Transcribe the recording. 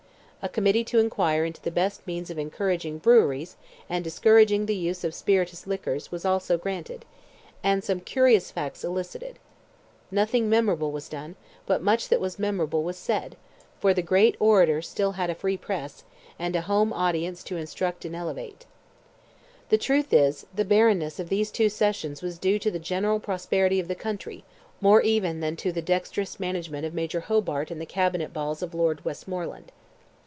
A committee to inquire into the best means of encouraging breweries, and discouraging the use of spirituous liquors, was also granted, and some curious facts elicited. Nothing memorable was done, but much that was memorable was said—for the great orator had still a free press, and a home audience to instruct and elevate. The truth is, the barrenness of these two sessions was due to the general prosperity of the country, more even than to the dexterous management of Major Hobart and the Cabinet balls of Lord Westmoreland.